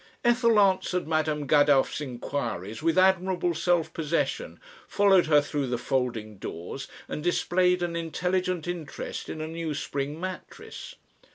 Ethel answered Madam Gadow's inquiries with admirable self possession, followed her through the folding doors and displayed an intelligent interest in a new spring mattress.